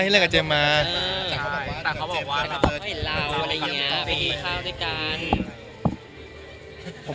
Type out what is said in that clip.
ผมไปเยี่ยมกองมาครับ